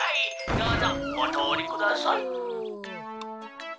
どうぞおとおりください」。